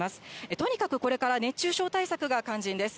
とにかくこれから熱中症対策が肝心です。